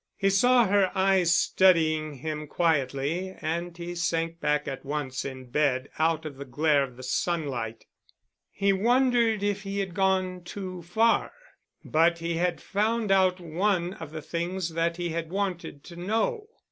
He saw her eyes studying him quietly and he sank back at once in bed out of the glare of the sunlight. He wondered if he had gone too far. But he had found out one of the things that he had wanted to know.